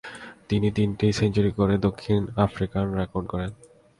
তিনি তিনটি সেঞ্চুরি করে দক্ষিণ আফ্রিকান রেকর্ড গড়েন।